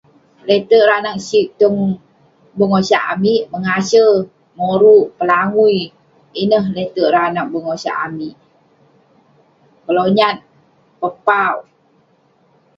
Leterk ranag sig tong bengosak amik ; mengase, moruk, pelangui. Ineh leterk ireh anag bengosak amik ; kelonyat, papauk.